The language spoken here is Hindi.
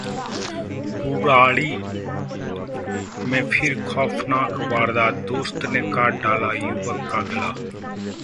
बुराड़ी में फिर खौफनाक वारदात, दोस्त ने काट डाला युवक का गला